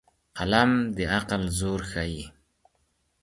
قلم د عقل زور ښيي